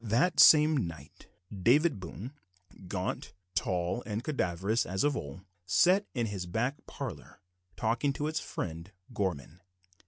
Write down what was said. That same night, David Boone, gaunt, tall, and cadaverous as of old, sat in his back parlour, talking with his friend Gorman.